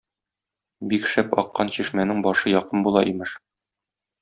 Бик шәп аккан чишмәнең башы якын була, имеш.